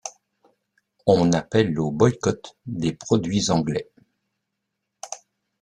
On appelle au boycott des produits anglais.